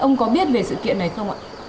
ông có biết về sự kiện này không ạ